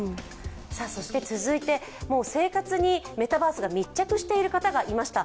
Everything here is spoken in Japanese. そして続いて、生活にメタバースに密着している人がいました。